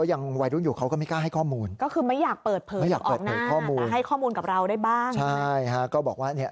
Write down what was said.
มันก็จะมีแบบนี้